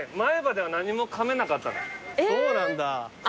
そうなんだ。